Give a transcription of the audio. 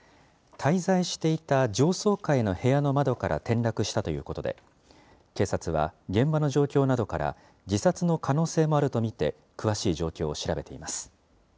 滞在していた上層階の部屋の窓から転落したということで、警察は現場の状況などから、自殺の可能性もあると見て、詳しい状況を調べています。